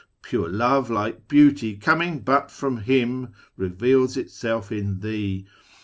Pure Love, like Beauty, coming but from Him, Reveals itself in thee.